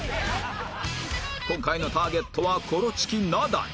今回のターゲットはコロチキナダル